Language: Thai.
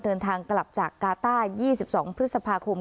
เดินทางกลับจากกาต้า๒๒พฤษภาคม